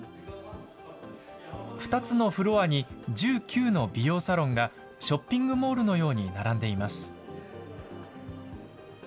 ２つのフロアに１９の美容サロンが、ショッピングモールのように並んでいます。